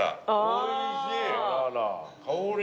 おいしい。